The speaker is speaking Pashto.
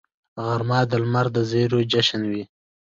غرمه د لمر د زریو جشن وي